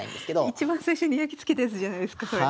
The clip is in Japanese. いちばん最初にやきつけたやつじゃないですかそれ。